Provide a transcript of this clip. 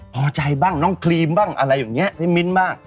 พอใจบ้างน้องครีมบ้างอะไรอย่างนี้พี่มิ้นบ้าง